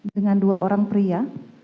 dengan dua orang pria